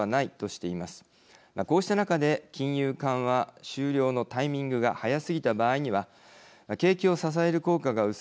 こうした中で金融緩和終了のタイミングが早すぎた場合には景気を支える効果が薄れ